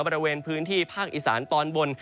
บริเวณพื้นที่ภาคอีสานตอนบน